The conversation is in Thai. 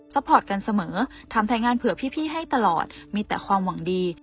พอร์ตกันเสมอทำไทยงานเผื่อพี่ให้ตลอดมีแต่ความหวังดี